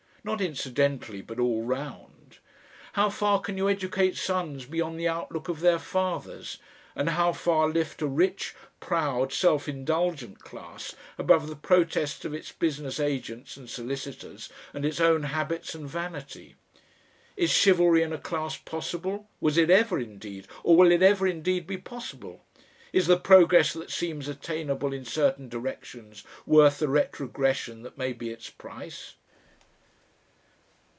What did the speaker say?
not incidentally, but all round? How far can you educate sons beyond the outlook of their fathers, and how far lift a rich, proud, self indulgent class above the protests of its business agents and solicitors and its own habits and vanity? Is chivalry in a class possible? was it ever, indeed, or will it ever indeed be possible? Is the progress that seems attainable in certain directions worth the retrogression that may be its price?